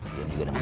dia juga ada mabuk